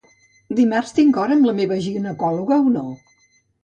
Dimarts tinc hora amb la meva ginecòloga o no?